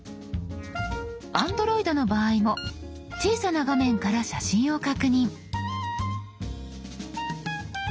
Ａｎｄｒｏｉｄの場合も小さな画面から写真を確認。